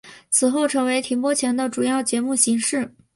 此后成为停播前的主要节目形式。